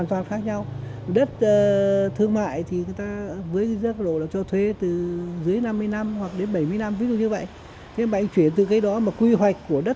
có khả năng tài chính tốt